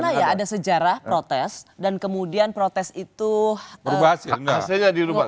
gak pernah ya ada sejarah protes dan kemudian protes itu hasilnya dilubah